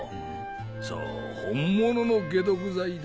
そう本物の解毒剤だ。